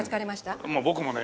もう僕もね